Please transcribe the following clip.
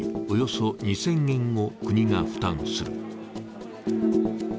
およそ２０００円を国が負担する。